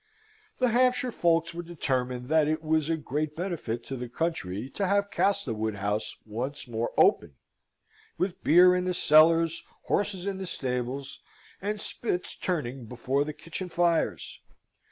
The Hampshire folks were determined that it was a great benefit to the country to have Castlewood House once more open, with beer in the cellars, horses in the stables, and spits turning before the kitchen fires.